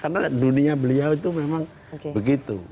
karena dunia beliau itu memang begitu